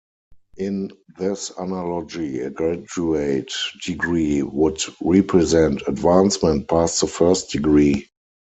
In this analogy a graduate degree would represent advancement past the first degree.